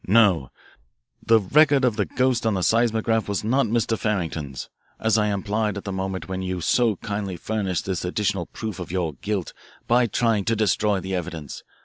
"No, the record of the ghost on the seismograph was not Mr. Farrington's, as I implied at the moment when you so kindly furnished this additional proof of your guilt by trying to destroy the evidence.